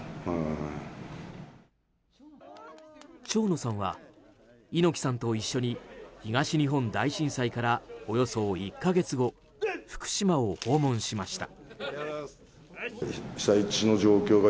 蝶野さんは、猪木さんと一緒に東日本大震災からおよそ１か月後福島を訪問しました。